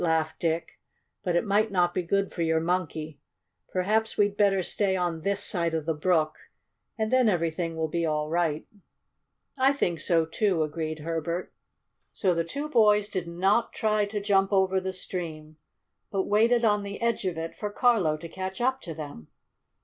laughed Dick. "But it might not be good for your Monkey. Perhaps we'd better stay on this side of the brook, and then everything will be all right." "I think so, too!" agreed Herbert. So the two boys did not try to jump over the stream, but waited on the edge of it for Carlo to catch up to them.